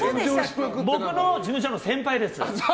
僕の事務所の先輩です。